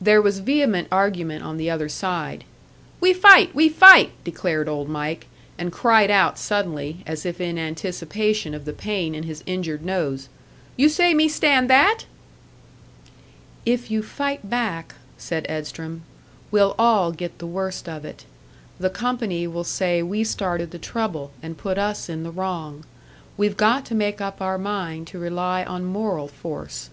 There was vehement argument on the other side. "We fight! We fight!" declared Old Mike, and cried out suddenly, as if in anticipation of the pain in his injured nose. "You say me stand that?" "If you fight back," said Edstrom, "we'll all get the worst of it. The company will say we started the trouble, and put us in the wrong. We've got to make up our mind to rely on moral force."